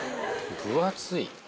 分厚い。